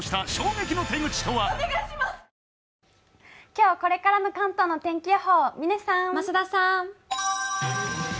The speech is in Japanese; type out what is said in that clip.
今日、これからの関東の天気予報を嶺さん、増田さん。